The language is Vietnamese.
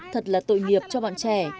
thật là tội nghiệp cho bọn trẻ